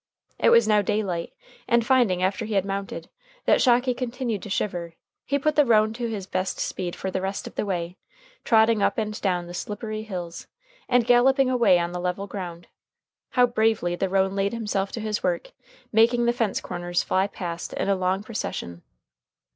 It was now daylight, and finding, after he had mounted, that Shocky continued to shiver, he put the roan to his best speed for the rest of the way, trotting up and down the slippery hills, and galloping away on the level ground. How bravely the roan laid himself to his work, making the fence corners fly past in a long procession!